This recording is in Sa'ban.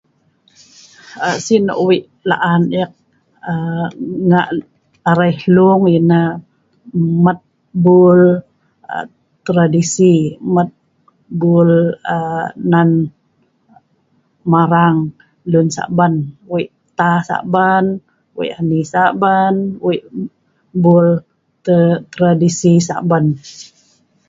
Aa. Si’ nok wei laan eek aa… ngaa arai hlueng yeh nah mat buel aa..tradisi mat buel aa..nan marang luen saban, wei taa saban, wei ani saban wei buel tre…tradisi saban